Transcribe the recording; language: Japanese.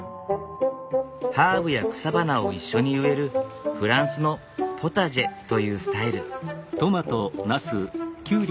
ハーブや草花を一緒に植えるフランスのポタジェというスタイル。